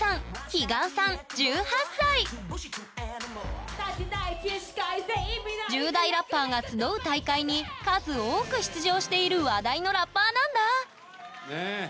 彼岸さん１８歳１０代ラッパーが集う大会に数多く出場している話題のラッパーなんだ！